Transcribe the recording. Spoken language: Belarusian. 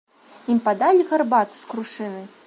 Ім падалі гарбату з крушыны.